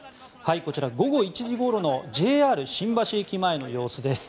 こちら、午後１時ごろのＪＲ新橋駅前の様子です。